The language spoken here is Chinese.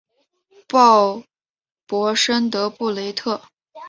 鲍博什德布雷泰。